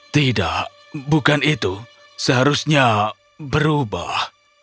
tidak bukan itu seharusnya berubah